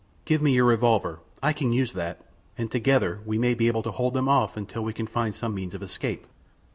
Give me your revolver. I can use that, and together we may be able to hold them off until we can find some means of escape."